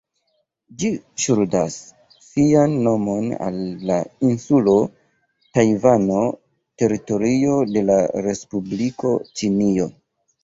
Ĝi ŝuldas sian nomon al la insulo Tajvano, teritorio de la Respubliko Ĉinio.